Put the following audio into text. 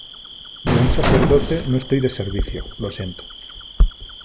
de un sacerdote , no estoy de servicio . lo siento .